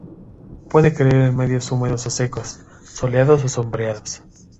Puede crecer en medios húmedos o secos, soleados o sombreados.